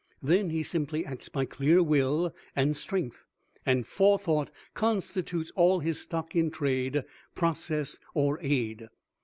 Then he simply acts by clear will and strength, and Forethought constitutes all his stock in trade, process or aid.